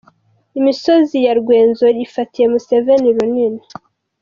Imisozi ya Rwenzori ifatiye Museveni runini